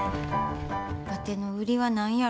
わての売りは何やろか？